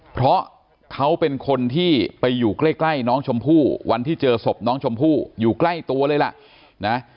เพราะเขาเป็นคนที่ไปอยู่ใกล้น้องชมพู่วันที่เจอศพน้องชมพู่อยู่ใกล้ตัวเลยล่ะนะ